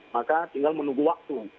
maka tinggal menunggu waktu